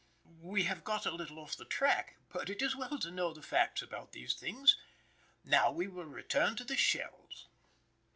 We have got a little off the track, but it is well to know the facts about these things. Now we will return to the shells.